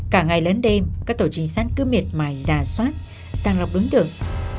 cả ngày lấn đêm các tổ chính sát cứ miệt mài giả soát sang lọc đối tượng